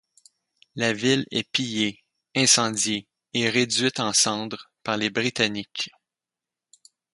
La ville est pillée, incendiée et réduite en cendre par les Britanniques.